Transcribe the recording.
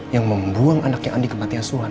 yang membuang anaknya andi kematian suan